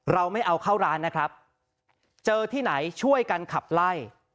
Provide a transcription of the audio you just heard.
เราไม่เอาเข้าร้านนะครับเจอที่ไหนช่วยกันขับไล่